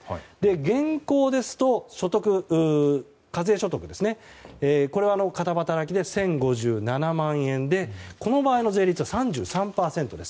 現行ですと課税所得が片働きで１０５７万円でこの場合の税率が３３％です。